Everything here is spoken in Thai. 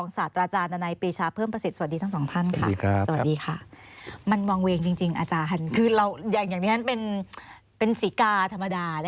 สวัสดีค่ะ